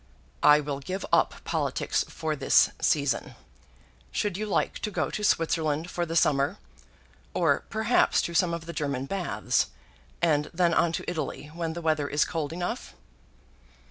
I will give up politics for this season. Should you like to go to Switzerland for the summer, or perhaps to some of the German baths, and then on to Italy when the weather is cold enough?"